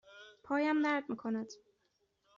پایم درد می کند.